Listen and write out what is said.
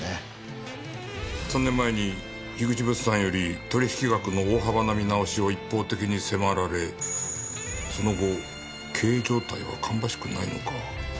３年前に口物産より取引額の大幅な見直しを一方的に迫られその後経営状態は芳しくないのか。